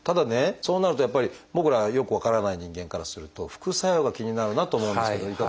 そうなるとやっぱり僕らよく分からない人間からすると副作用が気になるなと思うんですけどいかがでしょう？